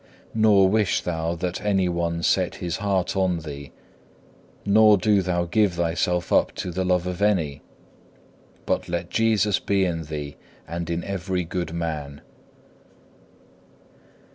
Nor wish thou that any one set his heart on thee, nor do thou give thyself up to the love of any, but let Jesus be in thee and in every good man.